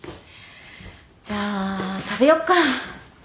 じゃあ食べよっか。